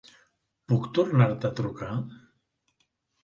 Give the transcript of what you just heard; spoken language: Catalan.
Puc tornar-te a trucar?